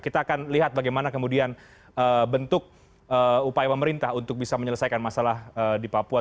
kita akan lihat bagaimana kemudian bentuk upaya pemerintah untuk bisa menyelesaikan masalah di papua